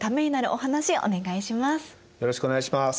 よろしくお願いします。